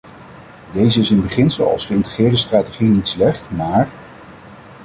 Deze is in beginsel als geïntegreerde strategie niet slecht, maar ...